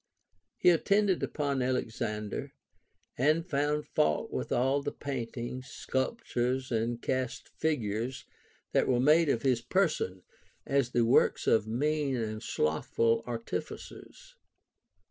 He attended upon Alexander, and found fault with all the paintings, sculptures, and cast figures that Avere made of his person, as the works of mean and slothful artificers.